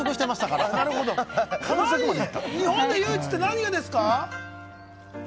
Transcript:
日本で唯一って何がですか。